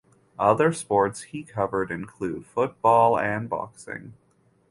Other sports he covered include football and boxing.